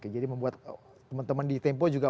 jadi membuat teman teman di tempo juga